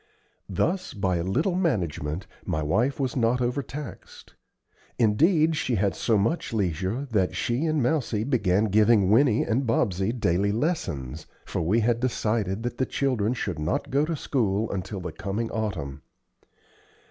Thus, by a little management, my wife was not overtaxed. Indeed, she had so much leisure that she and Mousie began giving Winnie and Bobsey daily lessons, for we had decided that the children should not go to school until the coming autumn.